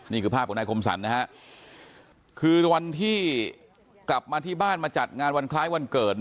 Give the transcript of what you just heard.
นี่คือภาพของนายคมสรรนะฮะคือวันที่กลับมาที่บ้านมาจัดงานวันคล้ายวันเกิด